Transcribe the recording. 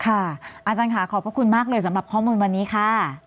อาจารย์ค่ะขอบพระคุณมากเลยสำหรับข้อมูลวันนี้ค่ะ